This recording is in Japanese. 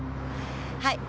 はい。